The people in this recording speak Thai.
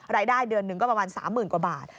รายได้เดือนหนึ่งก็ประมาณ๓๐๐๐กว่าบาท